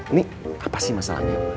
ini apa sih masalahnya